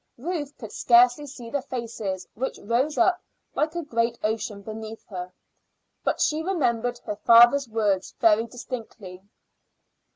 Ruth could scarcely see the faces which rose up like a great ocean beneath her, but she remembered her father's words very distinctly.